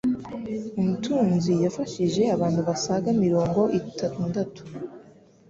Umtunzi yafashije abantu basaga mirongo itandatu